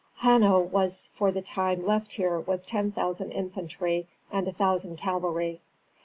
Hanno was for the time left here with ten thousand infantry and a thousand cavalry.